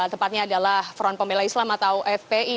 tempatnya adalah front pemilai islam atau fpi